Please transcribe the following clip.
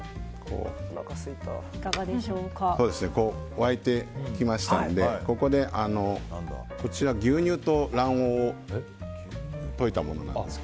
沸いてきましたのでここで牛乳と卵黄を溶いたものなんですが。